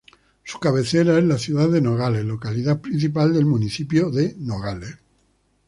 Su cabecera es la ciudad de Nogales, localidad principal del municipio de Nogales.